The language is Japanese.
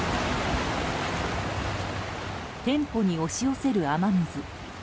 店舗に押し寄せる雨水。